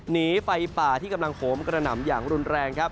หนีไฟป่าที่กำลังโหมกระหน่ำอย่างรุนแรงครับ